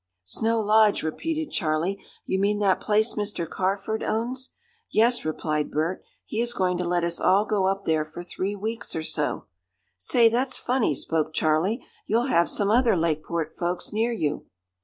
"Snow Lodge," repeated Charley. "You mean that place Mr. Carford owns?" "Yes," replied Bert. "He is going to let us all go up there for three weeks or so." "Say, that's funny," spoke Charley. "You'll have some other Lakeport folks near you."